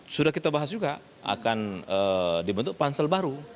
sudah kita bahas juga akan dibentuk pansel baru